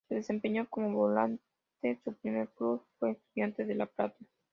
Se desempeñó como volante su primer club fue Estudiantes de La Plata.